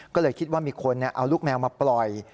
ก็เลยคิดว่ามีคนเอาลูกแมวมาปล่อย